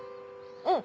うん。